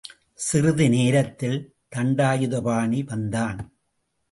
சிறிது நேரத்தில், தண்டாயுதபாணி வந்தான்.